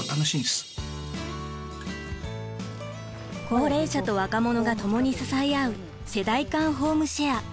高齢者と若者がともに支え合う世代間ホームシェア。